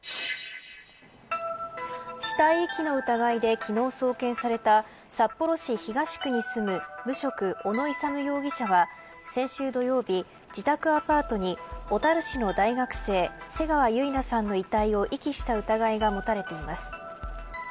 死体遺棄の疑いで昨日送検された札幌市東区に住む無職、小野勇容疑者は先週土曜日、自宅アパートに小樽市の大学生瀬川結菜さんの遺体を遺棄した疑いが持たれています。